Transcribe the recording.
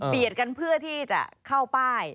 กันเพื่อที่จะเข้าป้าย